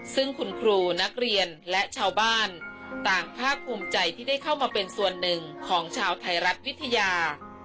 ซึ่งคุณครูนักเรียนและชาวบ้านต่างภาคภูมิใจที่ได้เข้ามาเป็นส่วนหนึ่งของชาวไทยรัฐวิทยา